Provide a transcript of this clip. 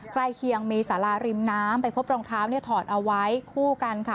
เคียงมีสาราริมน้ำไปพบรองเท้าเนี่ยถอดเอาไว้คู่กันค่ะ